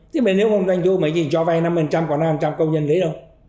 thế mà nếu không doanh du mấy gì cho vay năm mươi còn năm trăm linh công nhân lấy đâu